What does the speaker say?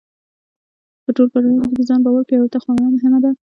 په ټولو پړاوونو کې د ځان باور پیاوړتیا خورا مهمه ده.